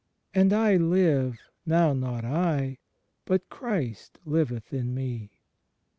And I live, now not I; but Christ liveth in me."